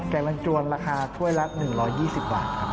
แกงมันจวนราคาถ้วยละ๑๒๐บาทครับ